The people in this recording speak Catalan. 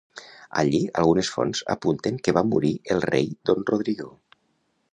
Allí algunes fonts apunten que va morir el rei Don Rodrigo.